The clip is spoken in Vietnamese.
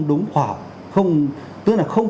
đúng khỏa tức là không